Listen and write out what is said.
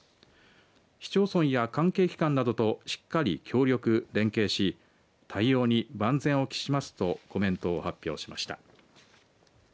市町村や関係機関などとしっかり協力、連携し対応に万全を期しますとコメントを発表しました。